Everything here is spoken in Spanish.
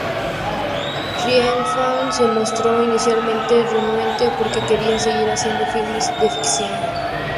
Riefenstahl se mostró inicialmente renuente porque quería seguir haciendo filmes de ficción.